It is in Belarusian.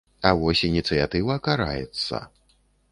А вось ініцыятыва караецца.